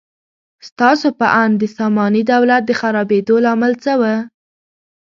ستاسو په اند د ساماني دولت د خرابېدو لامل څه و؟